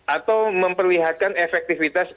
atau memperlihatkan efektivitas